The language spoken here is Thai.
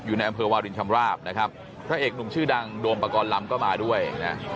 อยู่ในน้ำเภอวาลินชำราบนะครับเขาเอกหนุ่มชื่อกก่อนลำก็มาด้วยนะ